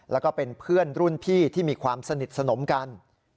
แล้วก็เป็นเพื่อนรุ่นพี่ที่มีความสนิทสนมกัน